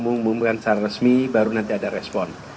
mengumumkan secara resmi baru nanti ada respon